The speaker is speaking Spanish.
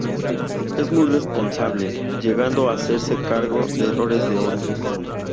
Es muy responsable, llegando a hacerse cargo de errores de otros.